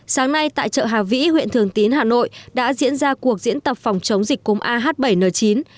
sáng nay tại chợ hà vĩ huyện thường tín hà nội đã diễn ra cuộc diễn tập phòng chống dịch cúm ah bảy n chín